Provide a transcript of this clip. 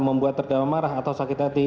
membuat terdakwa marah atau sakit hati